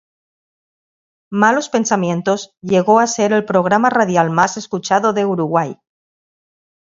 Malos Pensamientos llegó a ser el programa radial más escuchado de Uruguay.